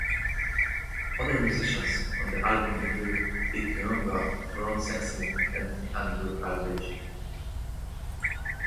Other musicians on the album included Bic Runga, Ron Sexsmith, and Andrew Claridge.